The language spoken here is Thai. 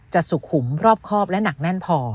สุขุมรอบครอบและหนักแน่นพอ